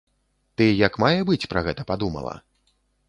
Ты як мае быць пра гэта падумала?